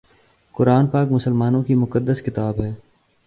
قرآن پاک مسلمانوں کی مقدس کتاب ہے